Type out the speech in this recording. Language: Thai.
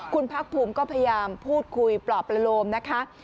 คุณพักภูมิก็พยายามพูดคุยปลอบประโลมนะคะ